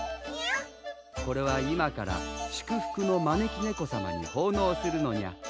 これは今から祝福の招き猫様に奉納するのにゃ。